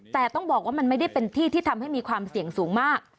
แต่ต้องบอกว่ามันไม่ได้เป็นที่ที่ทำให้มีความเสี่ยงสูงมาก